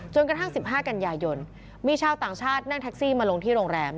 กระทั่ง๑๕กันยายนมีชาวต่างชาตินั่งแท็กซี่มาลงที่โรงแรม